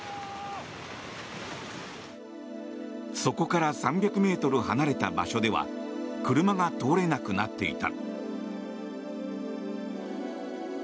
そこから３００ｍ離れた場所では車が通れなくなっていた。